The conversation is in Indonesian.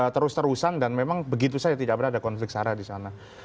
terus terusan dan memang begitu saja tidak pernah ada konflik sarah di sana